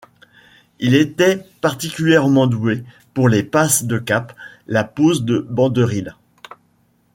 Il était particulièrement doué pour les passes de cape, la pose des banderilles.